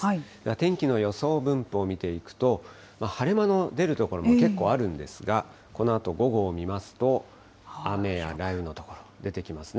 天気の予想分布を見ていくと、晴れ間の出る所もけっこうあるんですが、このあと午後を見ますと、雨や雷雨の所、出てきますね。